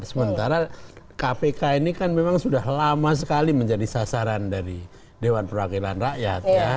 sementara kpk ini kan memang sudah lama sekali menjadi sasaran dari dewan perwakilan rakyat